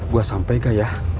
gue sampai gak ya